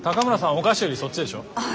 お菓子よりそっちでしょ。